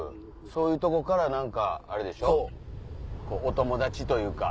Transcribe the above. そういうとこから何かあれでしょお友達というか。